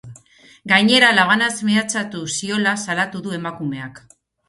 Gainera, labanaz mehatxatu ziola salatu du emakumeak.